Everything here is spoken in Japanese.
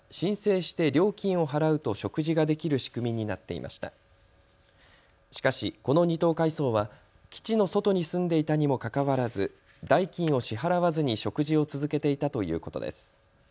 しかしこの２等海曹は基地の外に住んでいたにもかかわらず代金を支払わずに食事を続けていたということです。